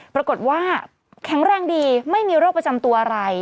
ปรากฏว่าแข็งแรงดีไม่มีโรคประจำตัวอะไร